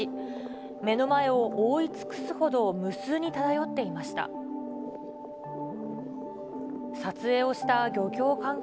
目の前を覆い尽くすほど無数に漂っていました。